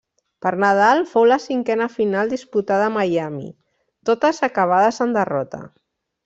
Per Nadal fou la cinquena final disputada a Miami, totes acabades en derrota.